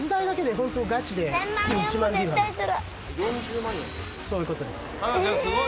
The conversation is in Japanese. そういうことです。